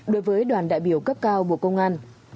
đối với đoàn đại biểu cấp cao bộ công an